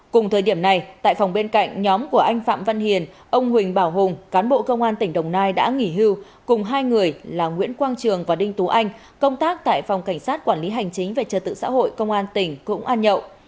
quỳnh bảo hùng cán bộ công an tỉnh đồng nai đã nghỉ hưu cùng hai người là nguyễn quang trường và đinh tú anh công tác tại phòng cảnh sát quản lý hành chính về trật tự xã hội công an tỉnh cũng ăn nhậu